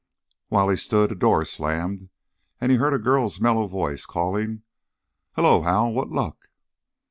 While he stood, a door slammed, and he heard a girl's mellow voice calling, "Hello, Hal, what luck?"